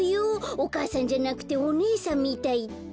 お母さんじゃなくておねえさんみたいって。